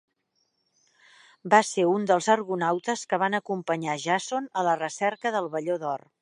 Va ser un dels argonautes que van acompanyar Jàson a la recerca del velló d'or.